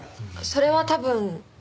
それは多分。